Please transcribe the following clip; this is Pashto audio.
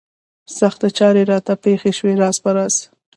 سختې چارې راته پېښې شوې راز په راز.